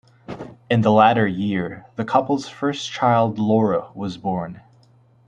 In the latter year, the couple's first child Laura was born.